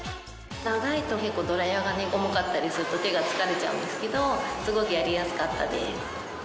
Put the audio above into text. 長いと結構ドライヤーが重かったりすると手が疲れちゃうんですけどすごくやりやすかったです。